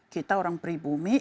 kita orang pribumi